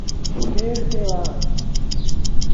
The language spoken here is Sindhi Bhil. ڇيڙ تي وهآ۔